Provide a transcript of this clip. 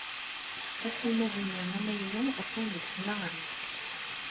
Aselmad-nni amaynu atan deg tneɣrit.